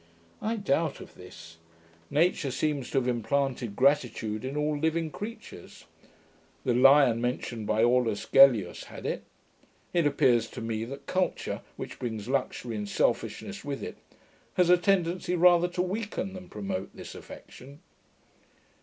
I doubt of this. Nature seems to have implanted gratitude in all living creatures. The lion, mentioned by Aulus Gellius, had it. [Footnote: Aul. Gellius, Lib. v. c. xiv.] It appears to me that culture, which brings luxury and selfishness with it, has a tendency rather to weaken than promote this affection.